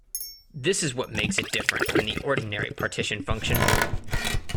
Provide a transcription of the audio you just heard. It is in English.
This is what makes it different from the ordinary partition function.